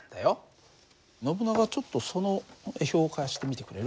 ノブナガちょっとその表を貸してみてくれる？